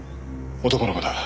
男の子だ。